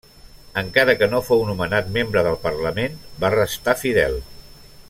Encara que no fou nomenat membre del parlament va restar fidel.